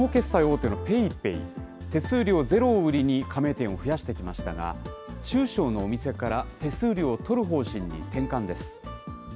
手数料ゼロを売りに加盟店を増やしてきましたが、中小のお店から手数料を取る方針に転換です。